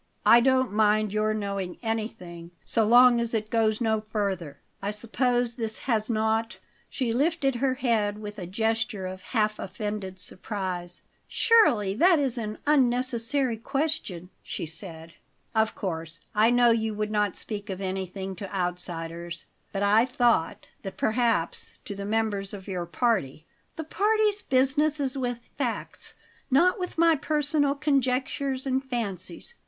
"I don't mind your knowing anything so long as it goes no further. I suppose this has not " She lifted her head with a gesture of half offended surprise. "Surely that is an unnecessary question!" she said. "Of course I know you would not speak of anything to outsiders; but I thought that perhaps, to the members of your party " "The party's business is with facts, not with my personal conjectures and fancies.